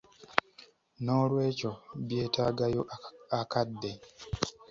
Noolwekyo byetaagayo akadde.